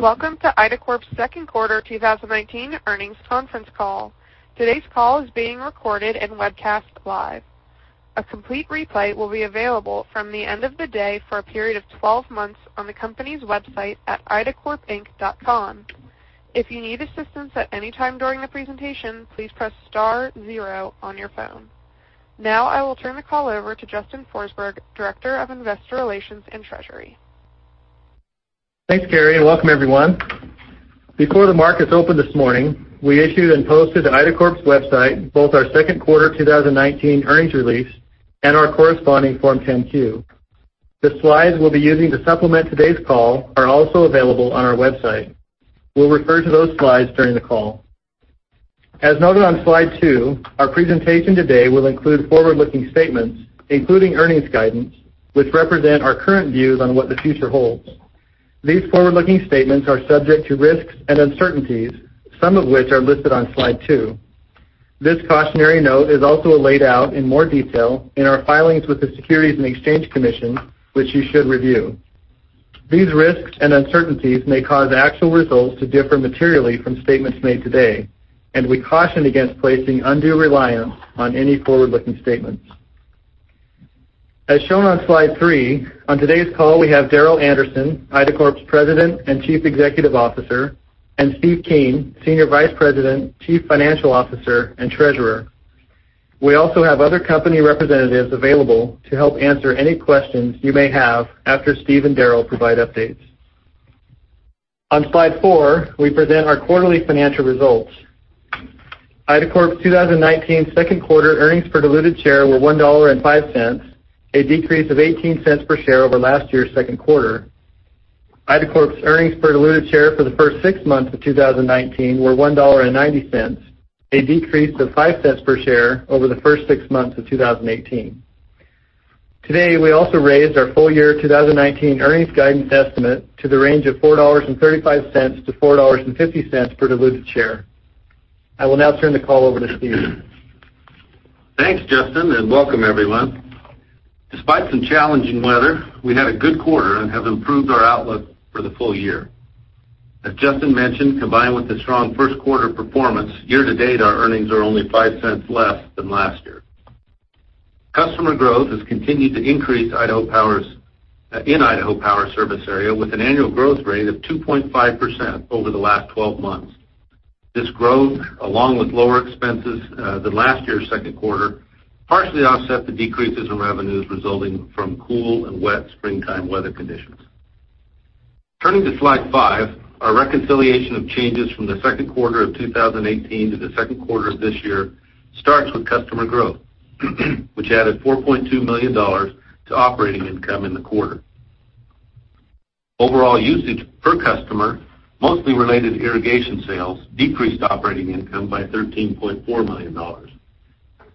Welcome to IDACORP's second quarter 2019 earnings conference call. Today's call is being recorded and webcast live. A complete replay will be available from the end of the day for a period of 12 months on the company's website at idacorpinc.com. If you need assistance at any time during the presentation, please press star zero on your phone. Now I will turn the call over to Justin Forsberg, Director of Investor Relations and Treasury. Thanks, Carrie, and welcome everyone. Before the markets opened this morning, we issued and posted to IDACORP's website both our second quarter 2019 earnings release and our corresponding Form 10-Q. The slides we'll be using to supplement today's call are also available on our website. We'll refer to those slides during the call. As noted on slide two, our presentation today will include forward-looking statements, including earnings guidance, which represent our current views on what the future holds. These forward-looking statements are subject to risks and uncertainties, some of which are listed on slide two. This cautionary note is also laid out in more detail in our filings with the Securities and Exchange Commission, which you should review. These risks and uncertainties may cause actual results to differ materially from statements made today, and we caution against placing undue reliance on any forward-looking statements. As shown on slide three, on today's call, we have Darrel Anderson, IDACORP's President and Chief Executive Officer, and Steven Keen, Senior Vice President, Chief Financial Officer, and Treasurer. We also have other company representatives available to help answer any questions you may have after Steven and Darrel provide updates. On slide four, we present our quarterly financial results. IDACORP's 2019 second quarter earnings per diluted share were $1.05, a decrease of $0.18 per share over last year's second quarter. IDACORP's earnings per diluted share for the first six months of 2019 were $1.90, a decrease of $0.05 per share over the first six months of 2018. Today, we also raised our full year 2019 earnings guidance estimate to the range of $4.35-$4.50 per diluted share. I will now turn the call over to Steven. Thanks, Justin. Welcome everyone. Despite some challenging weather, we had a good quarter and have improved our outlook for the full year. As Justin mentioned, combined with the strong first quarter performance, year to date, our earnings are only $0.05 less than last year. Customer growth has continued to increase in Idaho Power service area with an annual growth rate of 2.5% over the last 12 months. This growth, along with lower expenses than last year's second quarter, partially offset the decreases in revenues resulting from cool and wet springtime weather conditions. Turning to slide five, our reconciliation of changes from the second quarter of 2018 to the second quarter of this year starts with customer growth, which added $4.2 million to operating income in the quarter. Overall usage per customer, mostly related to irrigation sales, decreased operating income by $13.4 million.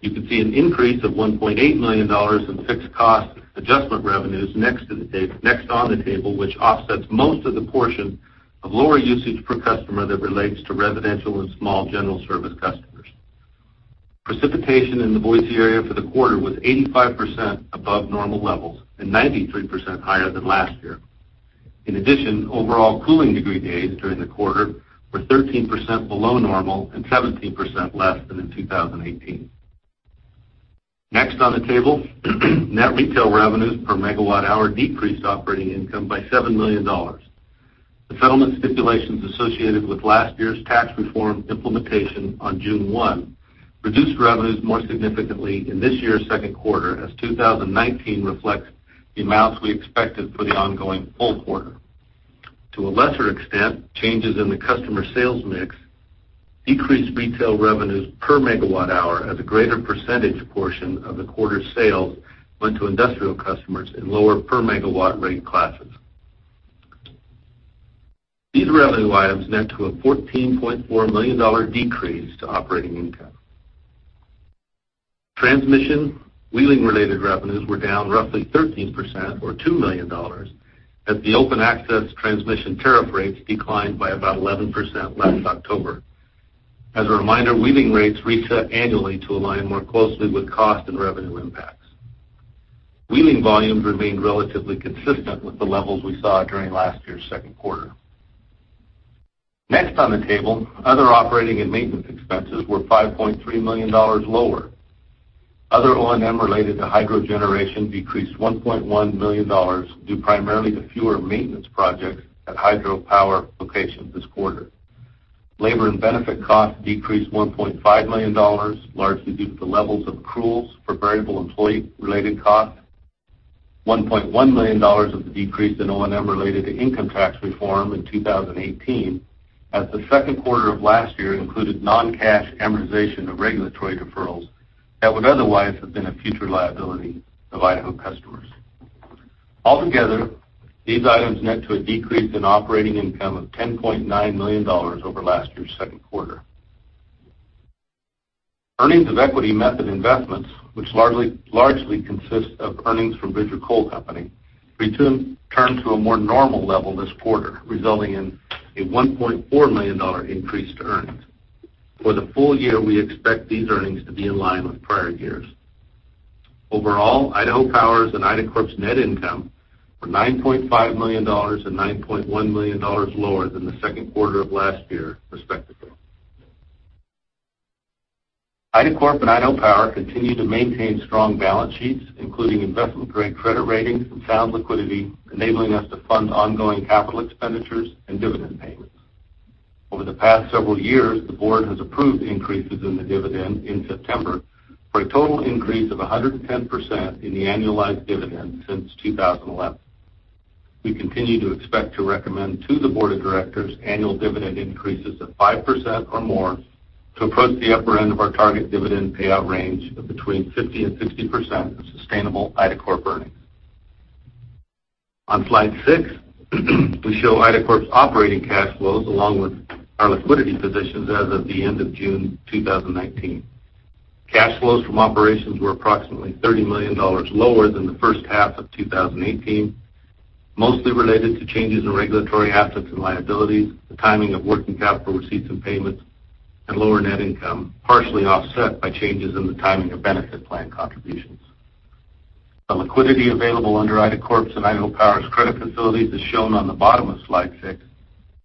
You can see an increase of $1.8 million in fixed cost adjustment revenues next on the table, which offsets most of the portion of lower usage per customer that relates to residential and small general service customers. Precipitation in the Boise area for the quarter was 85% above normal levels and 93% higher than last year. Overall cooling degree days during the quarter were 13% below normal and 17% less than in 2018. Next on the table, net retail revenues per megawatt hour decreased operating income by $7 million. The settlement stipulations associated with last year's tax reform implementation on June 1 reduced revenues more significantly in this year's second quarter, as 2019 reflects the amounts we expected for the ongoing full quarter. To a lesser extent, changes in the customer sales mix decreased retail revenues per megawatt hour as a greater percentage portion of the quarter's sales went to industrial customers in lower per megawatt rate classes. These revenue items net to a $14.4 million decrease to operating income. Transmission wheeling-related revenues were down roughly 13%, or $2 million, as the Open Access Transmission Tariff rates declined by about 11% last October. As a reminder, wheeling rates reset annually to align more closely with cost and revenue impacts. Wheeling volumes remained relatively consistent with the levels we saw during last year's second quarter. Next on the table, other operating and maintenance expenses were $5.3 million lower. Other O&M related to hydro generation decreased $1.1 million due primarily to fewer maintenance projects at hydro power locations this quarter. Labor and benefit costs decreased $1.5 million, largely due to the levels of accruals for variable employee-related costs. $1.1 million of the decrease in O&M related to income tax reform in 2018, as the second quarter of last year included non-cash amortization of regulatory deferrals that would otherwise have been a future liability of Idaho customers. Altogether, these items net to a decrease in operating income of $10.9 million over last year's second quarter. Earnings of equity method investments, which largely consist of earnings from Bridger Coal Company, returned to a more normal level this quarter, resulting in a $1.4 million increase to earnings. For the full year, we expect these earnings to be in line with prior years. Overall, Idaho Power's and IDACORP's net income were $9.5 million and $9.1 million lower than the second quarter of last year, respectively. IDACORP and Idaho Power continue to maintain strong balance sheets, including investment-grade credit ratings and sound liquidity, enabling us to fund ongoing capital expenditures and dividend payments. Over the past several years, the board has approved increases in the dividend in September for a total increase of 110% in the annualized dividend since 2011. We continue to expect to recommend to the board of directors annual dividend increases of 5% or more to approach the upper end of our target dividend payout range of between 50% and 60% of sustainable IDACORP earnings. On slide six, we show IDACORP's operating cash flows along with our liquidity positions as of the end of June 2019. Cash flows from operations were approximately $30 million lower than the first half of 2018, mostly related to changes in regulatory assets and liabilities, the timing of working capital receipts and payments, and lower net income, partially offset by changes in the timing of benefit plan contributions. The liquidity available under IDACORP's and Idaho Power's credit facilities is shown on the bottom of slide six.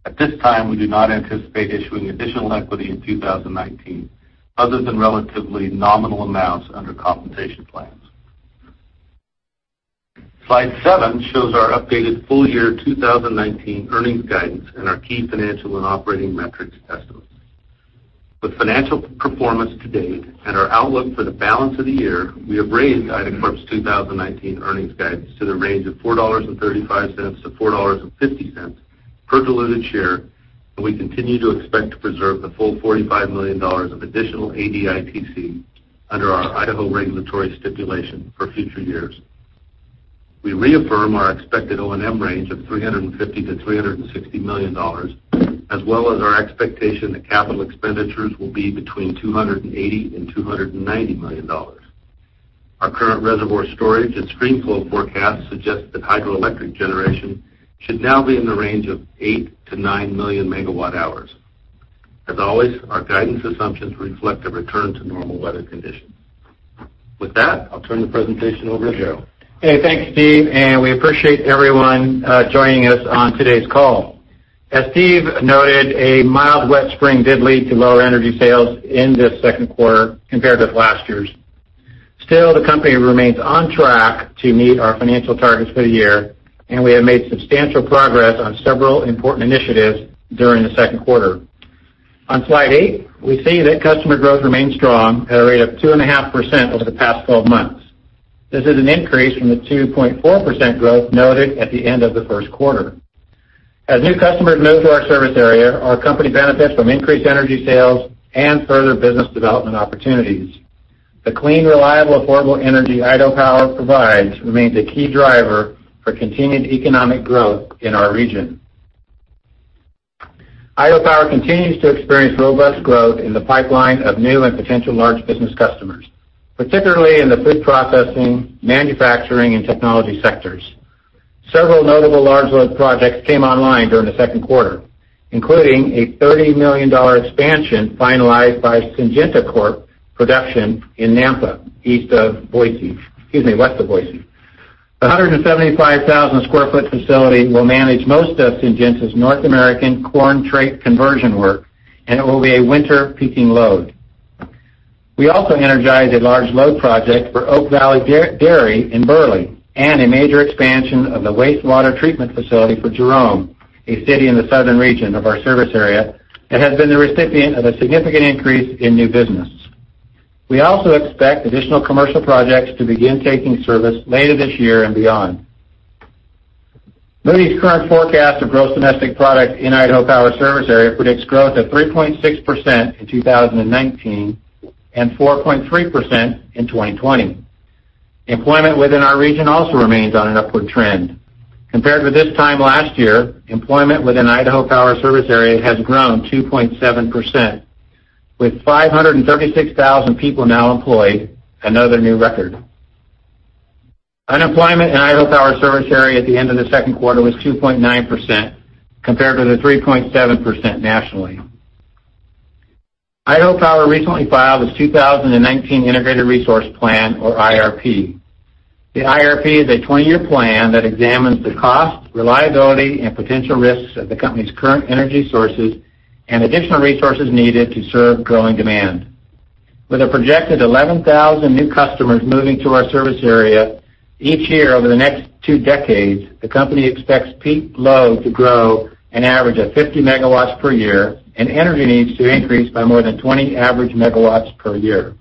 At this time, we do not anticipate issuing additional equity in 2019 other than relatively nominal amounts under compensation plans. Slide seven shows our updated full-year 2019 earnings guidance and our key financial and operating metrics estimates. With financial performance to date and our outlook for the balance of the year, we have raised IDACORP's 2019 earnings guidance to the range of $4.35-$4.50 per diluted share, and we continue to expect to preserve the full $45 million of additional ADITC under our Idaho regulatory stipulation for future years. We reaffirm our expected O&M range of $350 million-$360 million, as well as our expectation that capital expenditures will be between $280 million and $290 million. Our current reservoir storage and stream flow forecast suggests that hydroelectric generation should now be in the range of 8 million-9 million megawatt hours. As always, our guidance assumptions reflect a return to normal weather conditions. With that, I'll turn the presentation over to Darrel. Hey, thanks, Steve. We appreciate everyone joining us on today's call. As Steve noted, a mild, wet spring did lead to lower energy sales in this second quarter compared with last year's. Still, the company remains on track to meet our financial targets for the year, and we have made substantial progress on several important initiatives during the second quarter. On slide eight, we see that customer growth remains strong at a rate of 2.5% over the past 12 months. This is an increase from the 2.4% growth noted at the end of the first quarter. As new customers move to our service area, our company benefits from increased energy sales and further business development opportunities. The clean, reliable, affordable energy Idaho Power provides remains a key driver for continued economic growth in our region. Idaho Power continues to experience robust growth in the pipeline of new and potential large business customers, particularly in the food processing, manufacturing, and technology sectors. Several notable large load projects came online during the second quarter, including a $30 million expansion finalized by Syngenta Corp production in Nampa, east of Boise. Excuse me, west of Boise. A 175,000 sq ft facility will manage most of Syngenta's North American corn trait conversion work, and it will be a winter peaking load. We also energized a large load project for Oak Valley Dairy in Burley and a major expansion of the wastewater treatment facility for Jerome, a city in the southern region of our service area that has been the recipient of a significant increase in new business. We also expect additional commercial projects to begin taking service later this year and beyond. Moody's current forecast of gross domestic product in Idaho Power service area predicts growth of 3.6% in 2019 and 4.3% in 2020. Employment within our region also remains on an upward trend. Compared with this time last year, employment within Idaho Power service area has grown 2.7%, with 536,000 people now employed, another new record. Unemployment in Idaho Power service area at the end of the second quarter was 2.9% compared to the 3.7% nationally. Idaho Power recently filed its 2019 Integrated Resource Plan or IRP. The IRP is a 20-year plan that examines the cost, reliability, and potential risks of the company's current energy sources and additional resources needed to serve growing demand. With a projected 11,000 new customers moving to our service area each year over the next two decades, the company expects peak load to grow an average of 50 megawatts per year and energy needs to increase by more than 20 average megawatts per year.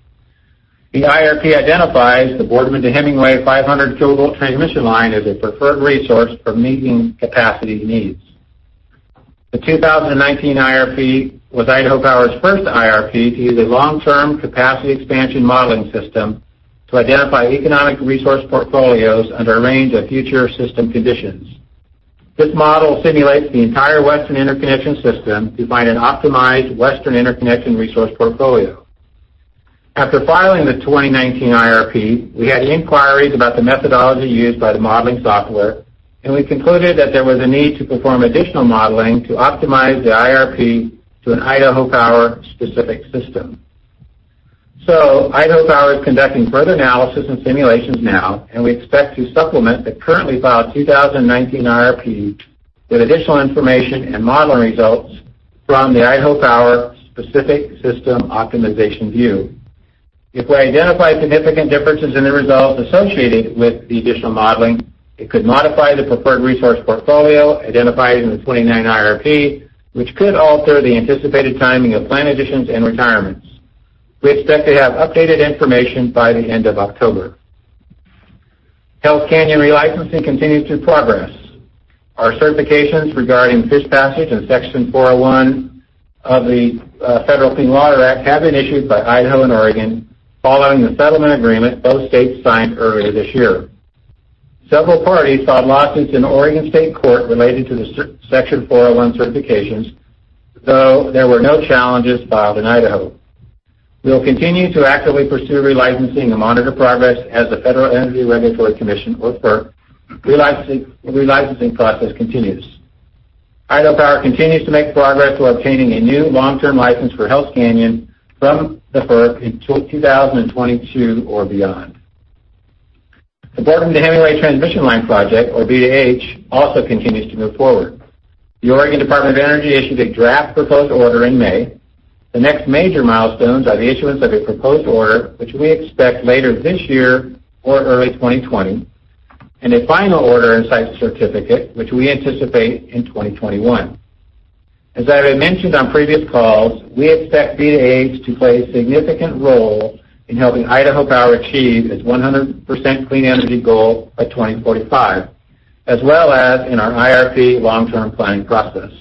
The IRP identifies the Boardman to Hemingway 500-kilovolt transmission line as a preferred resource for meeting capacity needs. The 2019 IRP was Idaho Power's first IRP to use a long-term capacity expansion modeling system to identify economic resource portfolios under a range of future system conditions. This model simulates the entire Western Interconnection system to find an optimized Western Interconnection resource portfolio. After filing the 2019 IRP, we had inquiries about the methodology used by the modeling software. We concluded that there was a need to perform additional modeling to optimize the IRP to an Idaho Power specific system. Idaho Power is conducting further analysis and simulations now, and we expect to supplement the currently filed 2019 IRP with additional information and modeling results from the Idaho Power specific system optimization view. If we identify significant differences in the results associated with the additional modeling, it could modify the preferred resource portfolio identified in the 2019 IRP, which could alter the anticipated timing of plan additions and retirements. We expect to have updated information by the end of October. Hells Canyon relicensing continues to progress. Our certifications regarding fish passage and Section 401 of the Federal Clean Water Act have been issued by Idaho and Oregon following the settlement agreement both states signed earlier this year. Several parties filed lawsuits in Oregon State Court related to the Section 401 certifications, though there were no challenges filed in Idaho. We will continue to actively pursue relicensing and monitor progress as a Federal Energy Regulatory Commission, or FERC, relicensing process continues. Idaho Power continues to make progress while obtaining a new long-term license for Hells Canyon from the FERC in 2022 or beyond. The Boardman to Hemingway Transmission Line Project, or B2H, also continues to move forward. The Oregon Department of Energy issued a draft proposed order in May. The next major milestones are the issuance of a proposed order, which we expect later this year or early 2020, and a final order and site certificate, which we anticipate in 2021. As I have mentioned on previous calls, we expect B2H to play a significant role in helping Idaho Power achieve its 100% clean energy goal by 2045, as well as in our IRP long-term planning process.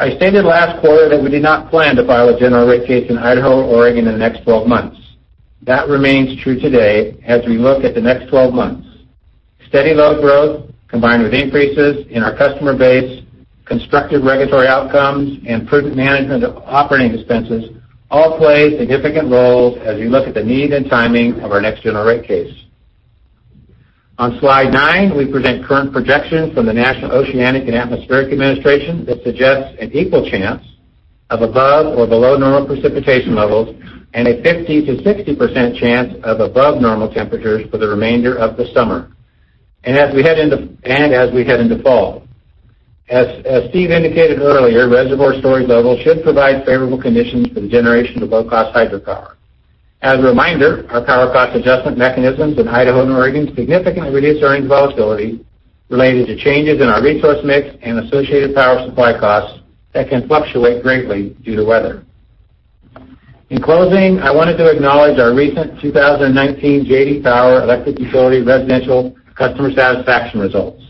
I stated last quarter that we did not plan to file a general rate case in Idaho and Oregon in the next 12 months. That remains true today as we look at the next 12 months. Steady load growth, combined with increases in our customer base, constructive regulatory outcomes, and prudent management of operating expenses all play significant roles as we look at the need and timing of our next general rate case. On slide nine, we present current projections from the National Oceanic and Atmospheric Administration that suggests an equal chance of above or below normal precipitation levels and a 50%-60% chance of above normal temperatures for the remainder of the summer and as we head into fall. As Steve indicated earlier, reservoir storage levels should provide favorable conditions for the generation of low-cost hydropower. As a reminder, our power cost adjustment mechanisms in Idaho and Oregon significantly reduce earning volatility related to changes in our resource mix and associated power supply costs that can fluctuate greatly due to weather. In closing, I wanted to acknowledge our recent 2019 J.D. Power Electric Utility Residential Customer Satisfaction results.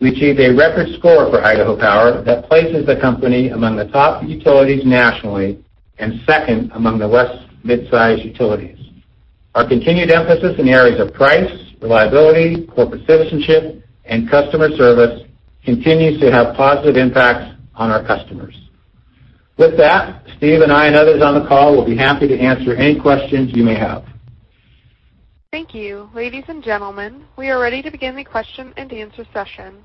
We achieved a record score for Idaho Power that places the company among the top utilities nationally and second among the West mid-size utilities. Our continued emphasis in the areas of price, reliability, corporate citizenship, and customer service continues to have positive impacts on our customers. With that, Steve and I and others on the call will be happy to answer any questions you may have. Thank you. Ladies and gentlemen, we are ready to begin the question-and-answer session.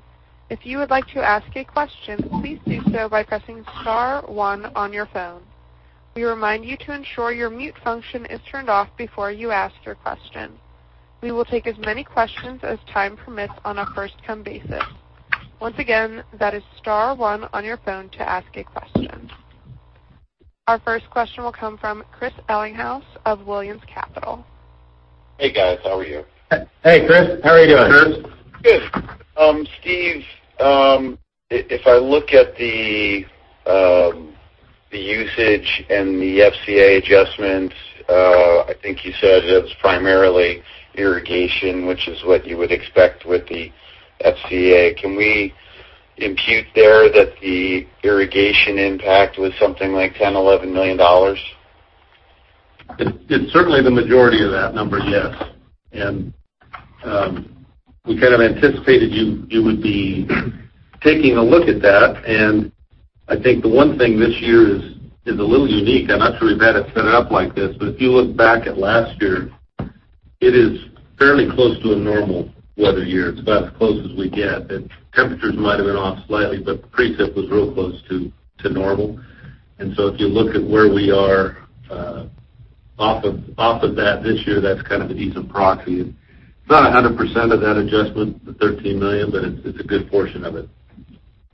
If you would like to ask a question, please do so by pressing star one on your phone. We remind you to ensure your mute function is turned off before you ask your question. We will take as many questions as time permits on a first-come basis. Once again, that is star one on your phone to ask a question. Our first question will come from Chris Ellinghaus of Williams Capital. Hey, guys. How are you? Hey, Chris. How are you doing? Good. Steve, if I look at the usage and the FCA adjustments, I think you said it was primarily irrigation, which is what you would expect with the FCA. Can we impute there that the irrigation impact was something like $10, $11 million? It's certainly the majority of that number, yes. We kind of anticipated you would be taking a look at that. I think the one thing this year is a little unique. I'm not sure we've had it set up like this, but if you look back at last year, it is fairly close to a normal weather year. It's about as close as we get. The temperatures might have been off slightly, but precip was real close to normal. If you look at where we are off of that this year, that's kind of a decent proxy. It's not 100% of that adjustment, the $13 million, but it's a good portion of it.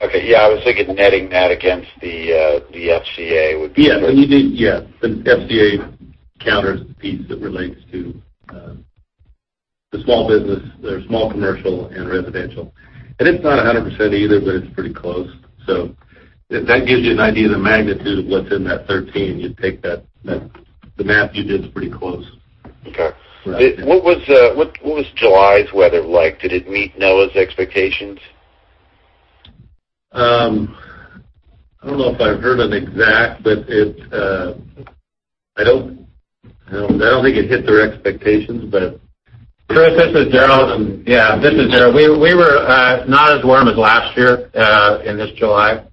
Okay. Yeah, I was thinking netting that against the FCA. Yeah. The FCA counters the piece that relates to the small business or small commercial and residential. It's not 100% either, but it's pretty close. That gives you an idea of the magnitude of what's in that 13. The math you did is pretty close. Okay. Correct. What was July's weather like? Did it meet NOAA's expectations? I don't know if I've heard an exact, but I don't think it hit their expectations. Chris, this is Darrel. Yeah, this is Darrel. We were not as warm as last year in this July.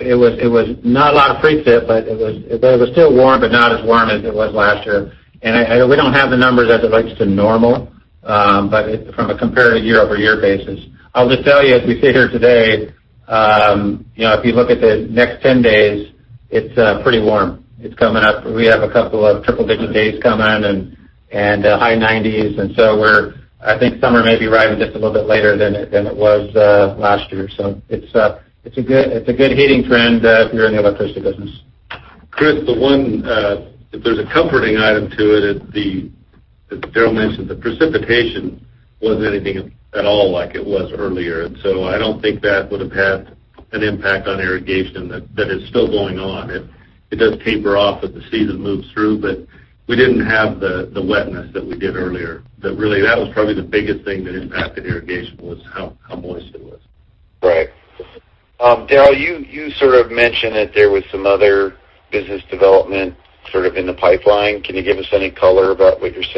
It was not a lot of precip, it was still warm, but not as warm as it was last year. We don't have the numbers as it relates to normal, but from a comparative year-over-year basis. I'll just tell you, as we sit here today, if you look at the next 10 days, it's pretty warm. It's coming up. We have a couple of triple-digit days coming and high 90s. I think summer may be arriving just a little bit later than it was last year. It's a good heating trend if you're in the electricity business. Chris, if there's a comforting item to it, as Darrel mentioned, the precipitation wasn't anything at all like it was earlier. So I don't think that would have had an impact on irrigation that is still going on. It does taper off as the season moves through, but we didn't have the wetness that we did earlier. That was probably the biggest thing that impacted irrigation, was how moist it was. Right. Darrel, you sort of mentioned that there was some other business development sort of in the pipeline. Can you give us any color about what you're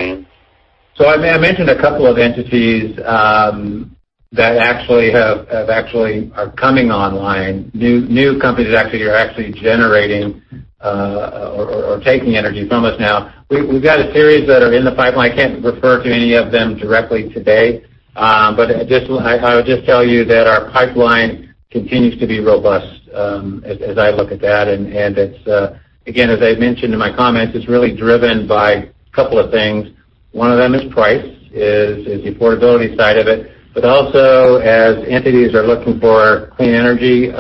seeing? I mentioned a couple of entities that actually are coming online, new companies that actually are generating or taking energy from us now. We've got a series that are in the pipeline. I can't refer to any of them directly today. I would just tell you that our pipeline continues to be robust, as I look at that. Again, as I mentioned in my comments, it's really driven by a couple of things. One of them is price, is the affordability side of it. Also, as entities are looking for clean energy,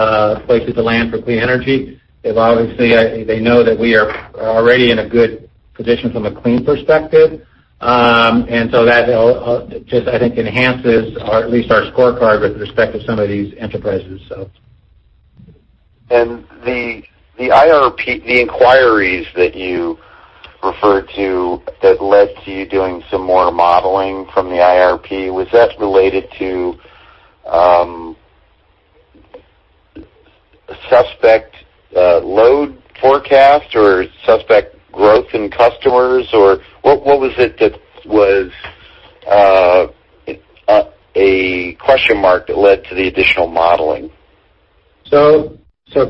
places to land for clean energy, they know that we are already in a good position from a clean perspective. That just, I think, enhances at least our scorecard with respect to some of these enterprises. The inquiries that you referred to that led to you doing some more modeling from the IRP, was that related to suspect load forecast or suspect growth in customers? Or what was it that was a question mark that led to the additional modeling?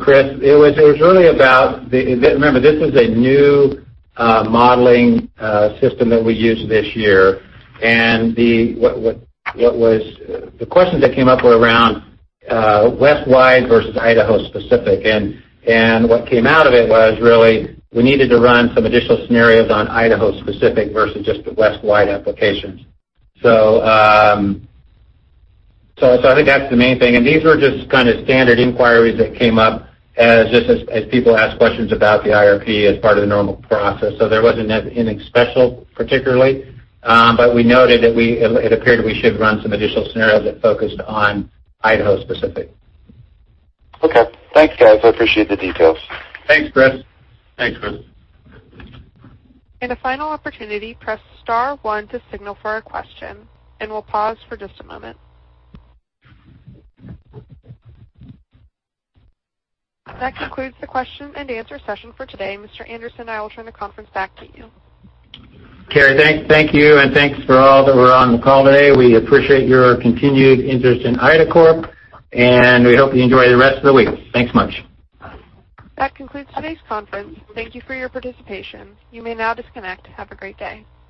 Chris, remember, this is a new modeling system that we used this year. The questions that came up were around west-wide versus Idaho-specific. What came out of it was really we needed to run some additional scenarios on Idaho-specific versus just the west-wide applications. I think that's the main thing. These were just kind of standard inquiries that came up as people asked questions about the IRP as part of the normal process. There wasn't anything special particularly. We noted that it appeared we should run some additional scenarios that focused on Idaho-specific. Okay. Thanks, guys. I appreciate the details. Thanks, Chris. Thanks, Chris. A final opportunity, press star one to signal for a question, and we'll pause for just a moment. That concludes the question and answer session for today. Mr. Anderson, I will turn the conference back to you. Carrie, thank you, and thanks for all that were on the call today. We appreciate your continued interest in IDACORP, and we hope you enjoy the rest of the week. Thanks much. That concludes today's conference. Thank you for your participation. You may now disconnect. Have a great day.